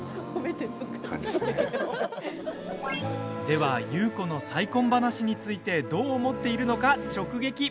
では、優子の再婚話についてどう思っているのか直撃。